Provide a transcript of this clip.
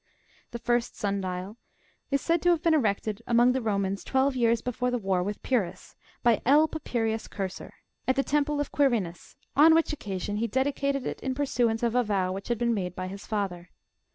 The first sun dial is said to have been erected among the Romans twelve years before the war with Pyrrhus, by L. Papirius Cursor, ^^ at the temple of Quirinus,'^ on which occasion he dedicated it in pursuance of a vow which had been made by his father.